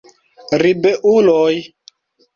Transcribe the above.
Ribeuloj